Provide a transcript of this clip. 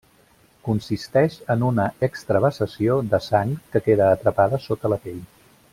Consisteix en una extravasació de sang que queda atrapada sota la pell.